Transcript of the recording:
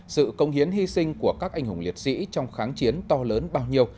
sự công hiến hy sinh của các anh hùng liệt sĩ trong kháng chiến to lớn bao nhiêu